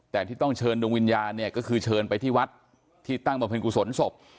แต่ที่ต้องเชิญดวงวิญญาณเนี่ยก็คือเชิญไปที่วัดที่ตั้งบำเพ็ญกุศลศพ